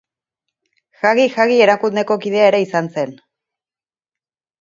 Jagi-Jagi erakundeko kidea ere izan zen.